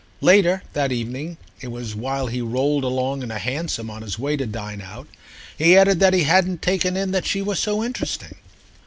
Later, that evening—it was while he rolled along in a hansom on his way to dine out—he added that he hadn't taken in that she was so interesting.